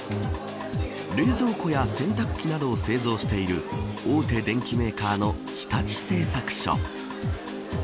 冷蔵庫や洗濯機などを製造している大手電機メーカーの日立製作所。